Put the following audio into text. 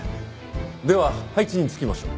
では配置につきましょう。